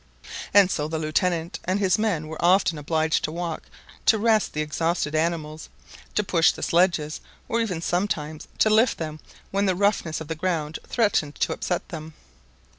And so the Lieutenant and his men were often obliged to walk to rest the exhausted animals, to push the sledges, or even sometimes to lift them when the roughness of the ground threatened to upset them.